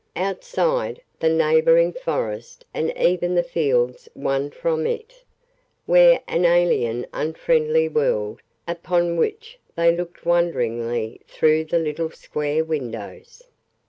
Outside, the neighbouring forest, and even the fields won from it, were an alien unfriendly world, upon which they looked wonderingly through the little square windows.